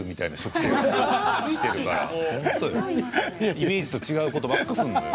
イメージと違うことばっかすんのよ。